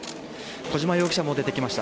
小島容疑者も出てきました。